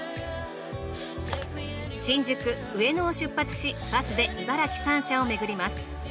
新宿上野を出発しバスで茨城３社をめぐります。